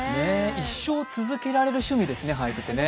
一生続けられる趣味ですね、俳句ってね。